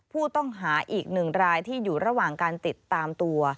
ผู้ต้องหาอีกหนึ่งรายที่อยู่ระหว่างการติดตามตัว